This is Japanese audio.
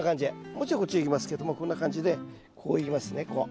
もうちょいこっちへいきますけどもこんな感じでこういきますねこう。